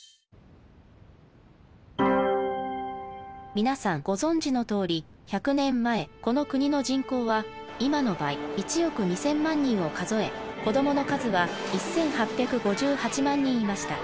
皆さんご存じのとおり１００年前この国の人口は今の倍１億２，０００万人を数え子どもの数は１，８５８万人いました。